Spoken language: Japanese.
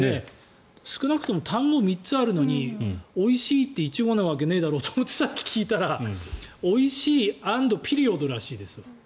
少なくとも単語が３つあるのに「おいしい。」って１語なわけないだろと思ってさっき聞いたらおいしいアンドピリオドらしいです。